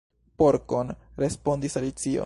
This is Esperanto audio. "Porkon," respondis Alicio.